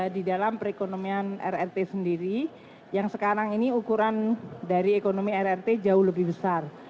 di dalam perekonomian rrt sendiri yang sekarang ini ukuran dari ekonomi rrt jauh lebih besar